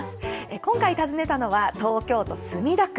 今回訪ねたのは、東京都墨田区。